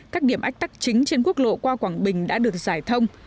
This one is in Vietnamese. các điểm ách tắc chính trên quốc lộ qua quảng bình đã được giải thông